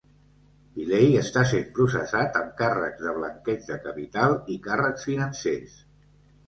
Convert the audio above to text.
DeLay està sent processat amb càrrecs de blanqueig de capital i càrrecs financers.